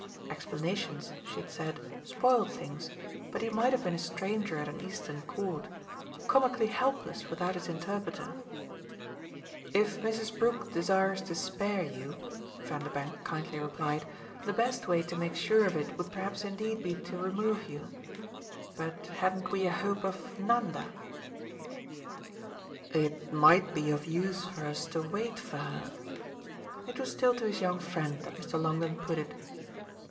Explanations, she had said, spoiled things, but he might have been a stranger at an Eastern court comically helpless without his interpreter. "If Mrs. Brook desires to 'spare' you," Vanderbank kindly replied, "the best way to make sure of it would perhaps indeed be to remove you. But hadn't we a hope of Nanda?" "It might be of use for us to wait for her?" it was still to his young friend that Mr. Longdon put it.